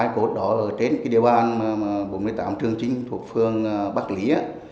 đó là ở trên địa bàn bốn mươi tám trường trinh thuộc phường bắc lý